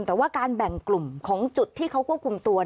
แต่ว่าการแบ่งกลุ่มของจุดที่เขาควบคุมตัว